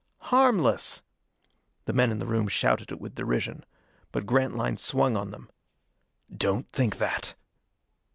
"Harmless!" The men in the room shouted it with derision. But Grantline swung on them. "Don't think that!"